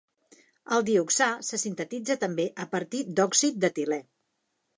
El dioxà se sintetitza també a partir d'òxid d'etilè.